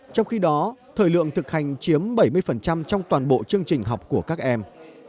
trong khi đó thời lượng thực hành chiếm bảy mươi trong toàn bộ chương trình học của các em